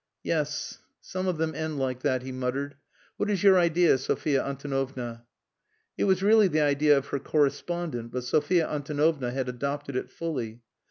"Yes. Some of them end like that," he muttered. "What is your idea, Sophia Antonovna?" It was really the idea of her correspondent, but Sophia Antonovna had adopted it fully.